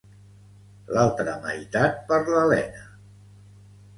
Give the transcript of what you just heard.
L'altra meitat per l'Elena